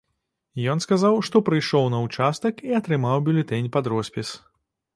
Ён сказаў, што прыйшоў на ўчастак і атрымаў бюлетэнь пад роспіс.